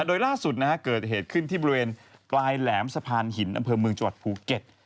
โดยล่าสุดนะฮะเกิดเหตุขึ้นที่บริเวณปลายแหลมสะพานหินอำเภอเมืองจังหวัดภูเก็ต